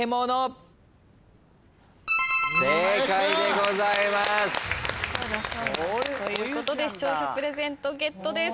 正解でございます。ということで視聴者プレゼントゲットです。